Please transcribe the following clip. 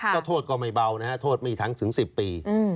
ถ้าโทษก็ไม่เบานะฮะโทษไม่ทั้งถึง๑๐ปี